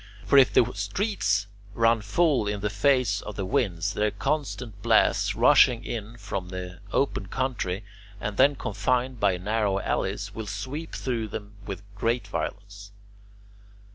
For if the streets run full in the face of the winds, their constant blasts rushing in from the open country, and then confined by narrow alleys, will sweep through them with great violence.